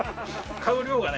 買う量がね